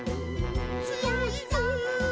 「つよいぞ」